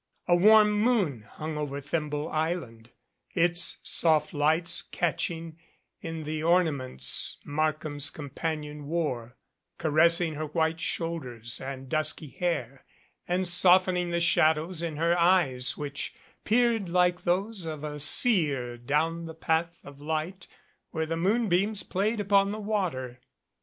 A warm moon hung over Thimble Island, its soft lights catching in the ornaments Markham's companion wore, caressing her white shoulders and dusky hair, and softening the shadows in her eyes which peered like those of a seer down the path of light where the moonbeams played upon the water.